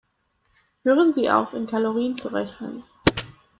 Hören Sie auf, in Kalorien zu rechnen.